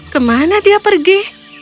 kemana dia pergi